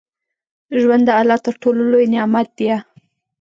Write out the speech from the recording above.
ژوند د الله تر ټولو لوى نعمت ديه.